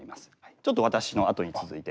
ちょっと私のあとに続いて。